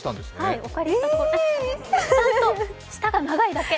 ちゃんと舌が長いだけ。